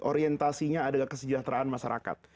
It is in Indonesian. orientasinya adalah kesejahteraan masyarakat